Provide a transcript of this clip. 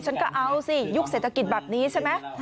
ฉันก็เอาสิยุคเศรษฐกิจแบบนี้ใช่ไหม